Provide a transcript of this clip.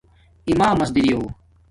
اِمامس دری یو